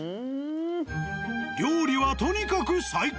料理はとにかく最高。